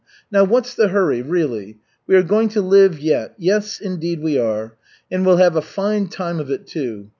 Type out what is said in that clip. Now, what's the hurry, really? We are going to live yet, yes indeed we are. And we'll have a fine time of it, too.